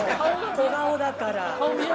小顔だから。